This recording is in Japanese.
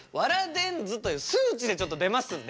電図という数値で出ますんで。